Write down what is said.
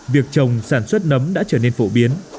việc trồng sản xuất nấm đã trở nên phổ biến